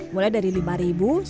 mulai dari lima juta dolar per jam